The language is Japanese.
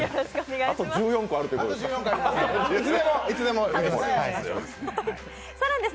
あと１４個あるということで。